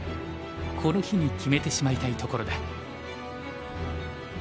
この日に決めてしまいたいところだ。